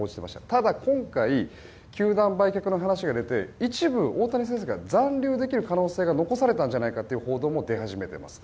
ただ、今回球団売却の話が出て一部、大谷選手が残留できる可能性が残されたんじゃないかという報道も出始めています。